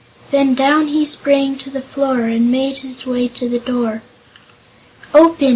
Then down he sprang to the floor and made his way to the door. "Open!"